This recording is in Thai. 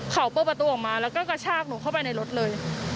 เขาเปิดประตูออกมาแล้วก็กระชากหนูเข้าไปในรถเลย